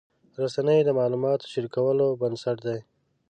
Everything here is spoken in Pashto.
رسنۍ د معلوماتو شریکولو بنسټ دي.